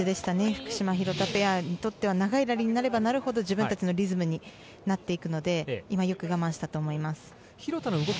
福島、廣田ペアにとっては長いラリーになればなるほど自分たちのリズムになっていくのでよく我慢したと思います。